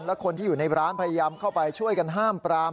และคนที่อยู่ในร้านพยายามเข้าไปช่วยกันห้ามปราม